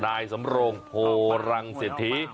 นายสำโรงโพรังเศรษฐี